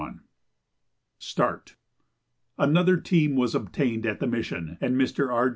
] [Sidenote: Start] Another team was obtained at the mission, and Mr. R.